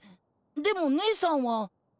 でもねえさんは。